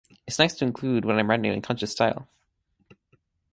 It’s nice to include when I’m writing in a conscious style.